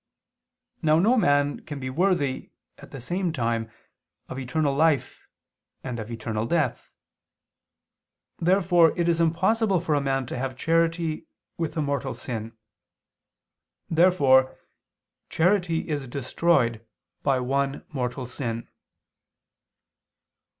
Now no man can be worthy, at the same time, of eternal life and of eternal death. Therefore it is impossible for a man to have charity with a mortal sin. Therefore charity is destroyed by one mortal sin.